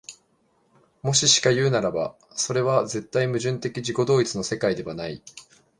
もししかいうならば、それは絶対矛盾的自己同一の世界ではない。